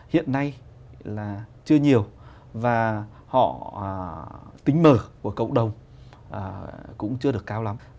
hiện nay là chưa nhiều và họ tính mở của cộng đồng cũng chưa được cao lắm